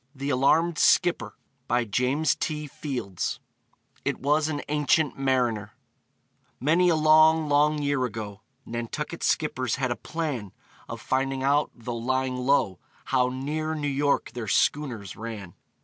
THE ALARMED SKIPPER "It was an Ancient Mariner" Many a long, long year ago, Nantucket skippers had a plan Of finding out, though "lying low," How near New York their schooners ran.